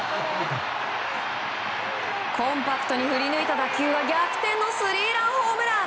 コンパクトに振り抜いた打球は逆転のスリーランホームラン。